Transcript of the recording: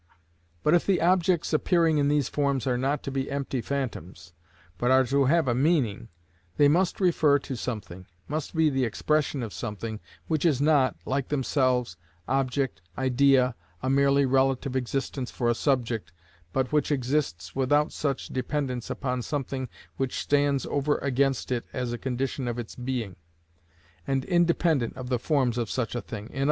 But if the objects appearing in these forms are not to be empty phantoms, but are to have a meaning, they must refer to something, must be the expression of something which is not, like themselves, object, idea, a merely relative existence for a subject, but which exists without such dependence upon something which stands over against it as a condition of its being, and independent of the forms of such a thing, _i.e.